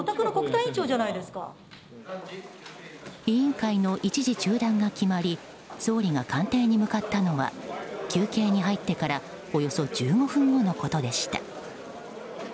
委員会の一時中断が決まり総理が官邸に向かったのは休憩に入ってからおよそ１５分後のことでした。